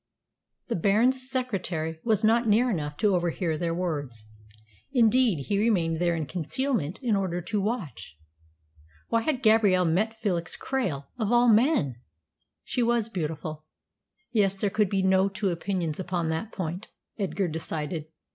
The Baron's secretary was not near enough to overhear their words. Indeed, he remained there in concealment in order to watch. Why had Gabrielle met Felix Krail of all men? She was beautiful. Yes, there could be no two opinions upon that point, Edgar decided.